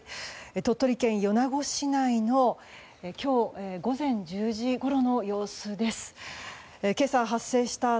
鳥取県米子市内の今日午前１０時ごろの様子です。